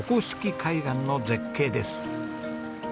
海岸の絶景です。